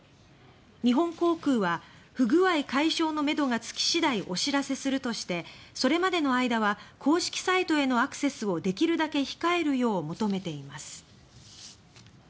日本航空は「不具合解消のめどがつき次第お知らせする」としてそれまでの間は公式サイトへのアクセスをできるだけ控えるよう求めています。